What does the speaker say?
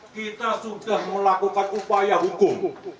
kita sudah melakukan upaya hukum